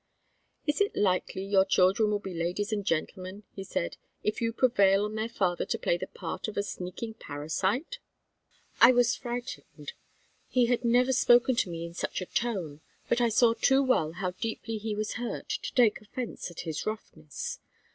"Is it likely your children will be ladies and gentlemen," he said, "if you prevail on their father to play the part of a sneaking parasite?" I was frightened. He had never spoken to me in such a tone, but I saw too well how deeply he was hurt to take offence at his roughness.